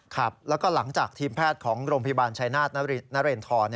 ครับแล้วก็หลังจากทีมแพทย์ของโรงพยาบาลชายนาฏนเรนทร